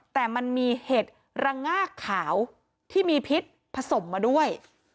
แต่มันมีเห็ดระงากขาวที่มีพิษผสมมาด้วย